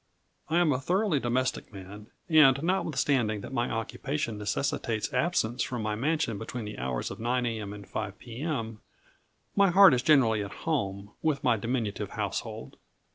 I am a thoroughly domestic man, and notwithstanding that my occupation necessitates absence from my mansion between the hours of 9 a.m. and 5 p.m., my heart is generally at home, with my diminutive household.